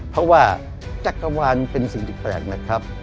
เพราะว่าจักรวาลเป็นสิ่งที่แปลกนะครับ